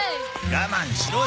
我慢しろよ。